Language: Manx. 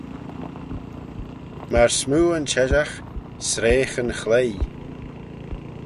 Myr smoo yn cheshaght s'reagh yn chloie